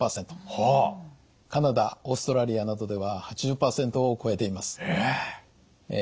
カナダオーストラリアなどでは８０％を超えています。